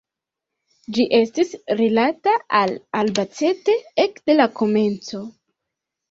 Ĝi estis rilata al Albacete ekde la komenco.